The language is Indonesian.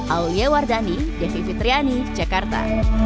aulia wardani devi fitriani jakarta